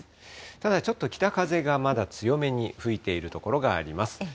ただ、ちょっと北風がまだ強めに吹いている所があります。